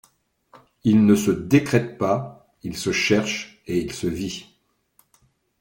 Il ne se décrète pas, il se cherche, et il se vit.